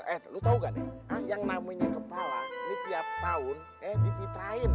eh lu tau ga nih yang namanya kepala ini tiap tahun eh dititrahin